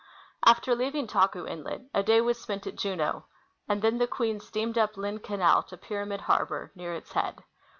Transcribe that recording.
After leaving Taku inlet, a day was spent at Juneau ; and then the Queen steamed up Lynn canal to Pyramid harbor, near its head.